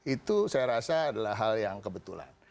itu saya rasa adalah hal yang kebetulan